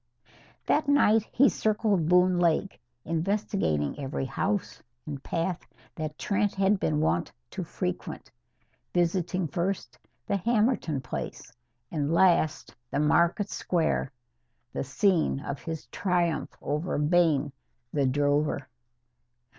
That night he circled Boone Lake, investigating every house and path that Trent had been wont to frequent, visiting first the Hammerton place and last the market square the scene of his triumph over Bayne, the drover.